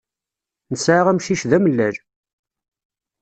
Nesɛa amcic d amellal.